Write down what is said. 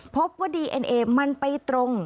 พบว่าดีเอ็นเอมันไปตรง